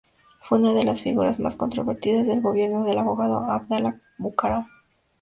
Fue una de las figuras más controvertidas del gobierno del abogado Abdalá Bucaram.